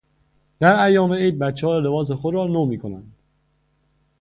در ایام عید بچهها لباس خود را نو می کنند.